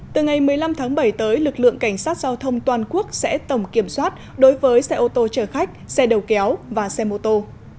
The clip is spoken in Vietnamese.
từ ngày một mươi năm tháng bảy tới lực lượng cảnh sát giao thông toàn quốc sẽ tổng kiểm soát đối với xe ô tô chở khách xe đầu kéo và xe mô tô